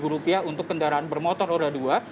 rp dua ratus lima puluh untuk kendaraan bermotor roda dua